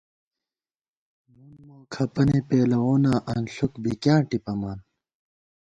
نُن مو کھپَنے پېلَووناں ، انݪُک بی کیاں ٹِپَمان